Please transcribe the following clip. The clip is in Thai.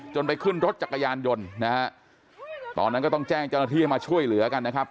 จนไปขึ้นรถจักรยานยนต์ตอนนั้นก็ต้องแจ้งจนาที่มาช่วยเหลือกันนะครับ